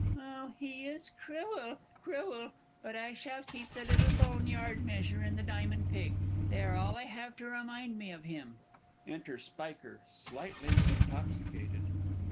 _ Oh, he is cruel, cruel! but I shall keep the little bone yard measure, and the diamond pig they are all I have to remind me of him! Enter SPIKER, _slightly intoxicated.